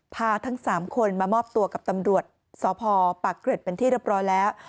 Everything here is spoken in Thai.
พาทั้งสามคนมามอบตัวกับตำรวจสภปรากฤษเป็นที่เรียบร้อยแล้ว